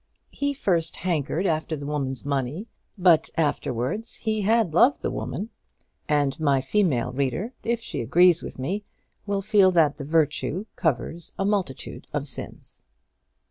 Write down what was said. He first hankered after the woman's money, but afterwards he had loved the woman; and my female reader, if she agrees with me, will feel that that virtue covers a multitude of sins.